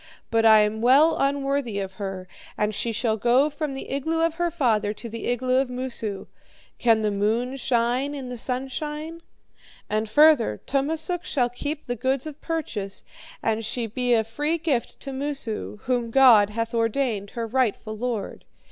But I am well unworthy of her, and she shall go from the igloo of her father to the igloo of Moosu. Can the moon shine in the sunshine? And further, Tummasook shall keep the goods of purchase, and she be a free gift to Moosu, whom God hath ordained her rightful lord.